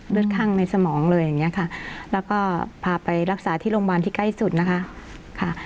ข้างในสมองเลยอย่างเงี้ยค่ะแล้วก็พาไปรักษาที่โรงพยาบาลที่ใกล้สุดนะคะค่ะ